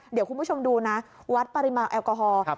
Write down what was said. เดี๋ยวคุณผู้ชมดูนะวัดปริมาณแอลกอฮอล์